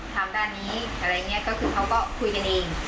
ทำด้านนี้อะไรเนี้ยก็คือเขาก็คุยกันเอง